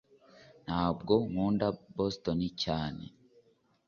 ntabwo nkunda boston cyane